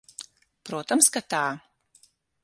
Protams, ka tā.